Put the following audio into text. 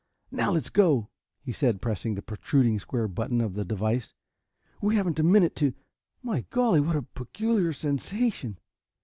"Now let's go!" he said, pressing the protruding square button of the device. "We haven't a minute to my golly, what a peculiar sensation!"